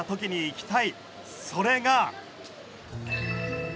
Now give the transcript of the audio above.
それが。